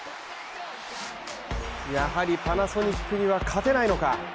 やはり、パナソニックには勝てないのか。